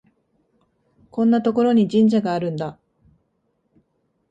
こんなところに神社があるんだ